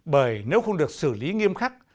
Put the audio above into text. bởi nếu không được xử lý nghiêm khắc